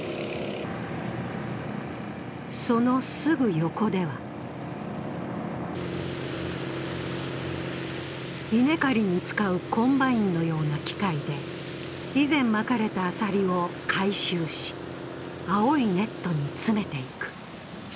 そのすぐ横では稲刈りに使うコンバインのような機械で以前、まかれたアサリを回収し青いネットに詰めていく。